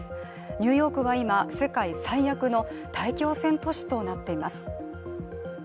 ニューヨークは今、世界最悪の大気汚染都市となっています。